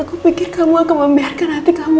aku pikir kamu akan membiarkan hati kamu